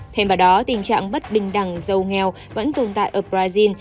thêm vào đó tình trạng bất bình đẳng giàu nghèo vẫn tồn tại ở brazil